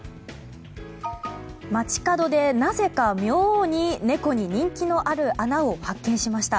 街角でなぜか妙に猫に人気のある穴を発見しました。